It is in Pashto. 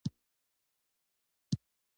بادرنګ په سلاد کې مهم حیثیت لري.